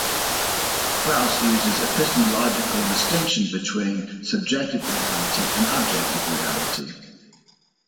Kraus uses the epistemological distinction between subjective reality and objective reality.